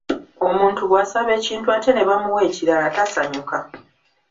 Omuntu bw’asaba ekintu ate ne bamuwa ekiralala tasanyuka.